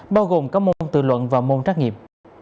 bao gồm các môn tự luận và môn trắc nghiệm